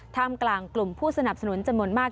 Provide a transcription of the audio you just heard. กลางกลุ่มผู้สนับสนุนจำนวนมาก